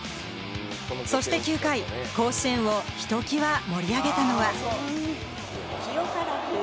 そして９回、甲子園をひときわ盛り上げたのが。